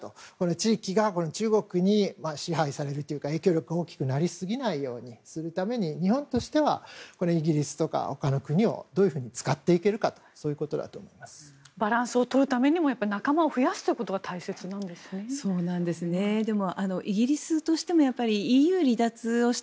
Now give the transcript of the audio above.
地域が中国に支配されるというか影響力が大きくなりすぎないようにするために日本としてはイギリスや他の国をどう使っていけるかバランスをとるためにも仲間を増やすということが大切なんですね。